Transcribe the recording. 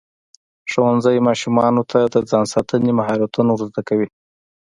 ښوونځی ماشومانو ته د ځان ساتنې مهارتونه ورزده کوي.